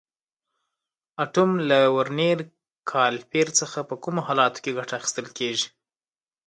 اتم: له ورنیر کالیپر څخه په کومو حالاتو کې ګټه اخیستل کېږي؟